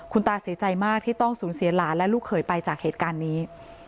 คุณตาเสียใจมากที่ต้องสูญเสียหลานและลูกเขยไปจากเหตุการณ์นี้